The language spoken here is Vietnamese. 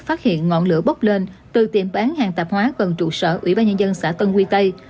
phát hiện ngọn lửa bốc lên từ tiệm bán hàng tạp hóa gần trụ sở ủy ban nhân dân xã tân quy tây